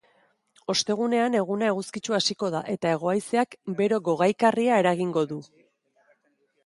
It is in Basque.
Ostegunean, eguna eguzkitsu hasiko da eta hego-haizeak bero gogaikarria eragingo du.